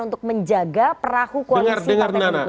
untuk menjaga perahu koalisi pendukungnya